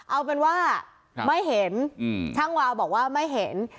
เอาเป็นว่าไม่เห็นช่างวาวบอกว่าไม่เห็น